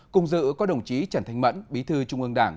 cùng dự có đồng chí trần thanh mẫn bí thư trung ương đảng